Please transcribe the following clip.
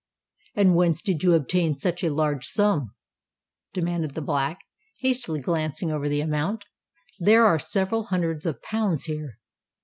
"And whence did you obtain such a large sum?" demanded the Black, hastily glancing over the amount, "there are several hundreds of pounds here!"